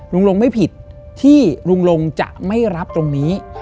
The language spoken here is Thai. ลุงลงไม่ผิดที่ลุงลงจะไม่รับตรงนี้